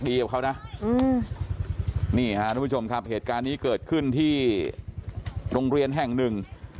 นี่ค่ะทุกผู้ชมครับเหตุการณ์นี้เกิดขึ้นที่โรงเรียนแห่งหนึ่ง